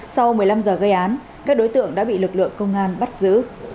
sau một mươi năm giờ gây án các đối tượng đã bị lực lượng công an bắt giữ